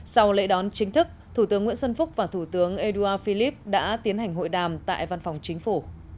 sau lễ đón chính thức thủ tướng nguyễn xuân phúc và thủ tướng édouard philip đã tiến hành hội đàm tại văn phòng chính phủ